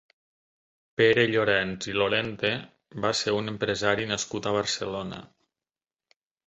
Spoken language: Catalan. Pere Llorens i Lorente va ser un empresari nascut a Barcelona.